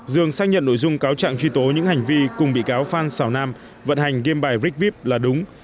dương xác nhận nội dung cáo trạng truy tố những hành vi cùng bị cáo phan xào nam vận hành game bài rigvip là đúng